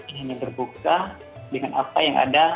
ini hanya terbuka dengan apa yang ada